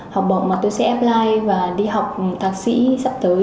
học bỏng mà tôi sẽ apply và đi học thạc sĩ sắp tới